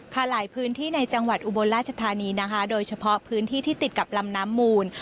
หลายพื้นที่ในจังหวัดอุบลราชธานีนะคะโดยเฉพาะพื้นที่ที่ติดกับลำน้ำมูล